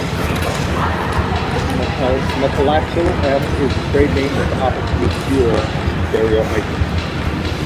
Metalaxyl-M is the trade name of the optically pure stereoisomer.